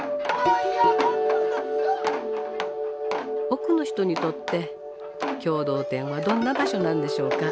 奥の人にとって共同店はどんな場所なんでしょうか。